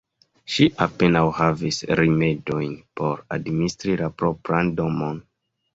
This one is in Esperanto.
Ŝi apenaŭ havis rimedojn por administri la propran domon.